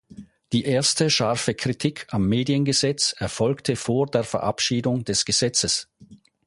Die erste scharfe Kritik am Mediengesetz erfolgte vor der Verabschiedung des Gesetzes.